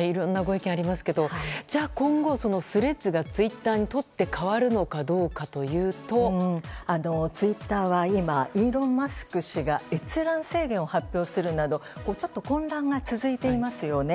いろんなご意見がありますが今後Ｔｈｒｅａｄｓがツイッターにとって代わるのかツイッターは今、イーロン・マスク氏が閲覧制限を発表するなど混乱が続いていますよね。